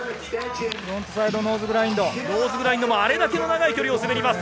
ノーズグラインドもあれだけの長い距離を滑ります。